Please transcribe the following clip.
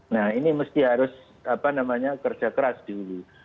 nah ini mesti harus kerja keras dihulu